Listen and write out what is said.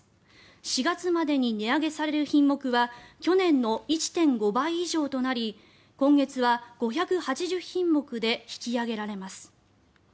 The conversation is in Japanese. ４月までに値上げされる品目は去年の１．５倍以上となり今月は５８０品目で引き上げられます。